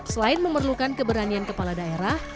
selain memerlukan keberanian kepala daerah